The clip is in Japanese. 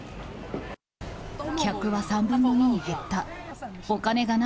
客は３分の２に減った。